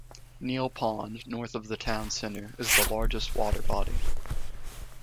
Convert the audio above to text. Neal Pond, north of the town center, is the largest water body.